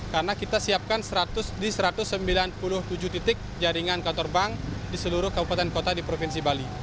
karena kita siapkan di satu ratus sembilan puluh tujuh titik jaringan kantor bank di seluruh kabupaten kota di provinsi bali